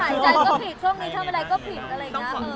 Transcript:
หายใจก็ผิดช่วงนี้ทำอะไรก็ผิด